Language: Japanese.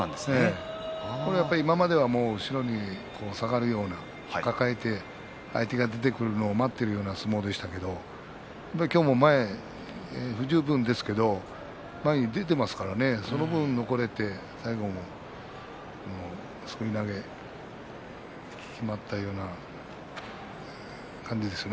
今までは後ろに下がるように抱えて相手が出てくるのを待ってる相撲でしたけども今日は不十分ですが前に出ていますからねその分、残れて最後、すくい投げきまったような感じですね。